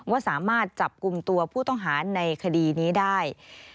ว่าสามารถจับกลุ่มตัวผู้ต้องหาในคดีนี้ได้